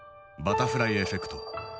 「バタフライエフェクト」。